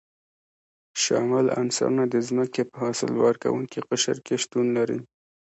شامل عنصرونه د ځمکې په حاصل ورکوونکي قشر کې شتون لري.